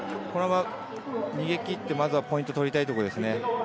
このまま逃げ切ってまずはポイントを取りたいところですね。